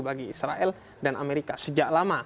bagi israel dan amerika sejak lama